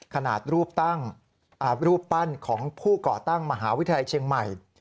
ขนาดรูปปั้นของผู้ก่อตั้งมหาวิทยาลัยเชียงใหม่